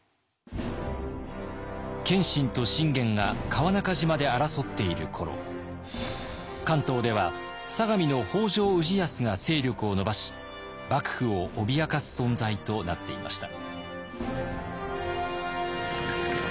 謙信と信玄が川中島で争っている頃関東では相模の北条氏康が勢力を伸ばし幕府を脅かす存在となっていました。